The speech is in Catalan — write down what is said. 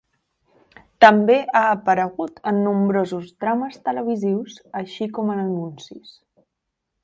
També ha aparegut en nombrosos drames televisius així com en anuncis.